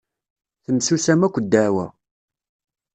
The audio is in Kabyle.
Temsusam akk ddeɛwa.